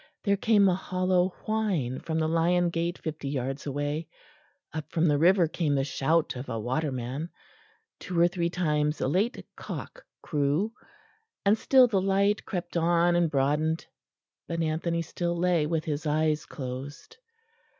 There came a hollow whine from the Lion gate fifty yards away; up from the river came the shout of a waterman; two or three times a late cock crew; and still the light crept on and broadened. But Anthony still lay with his eyes closed.